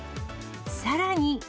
さらに。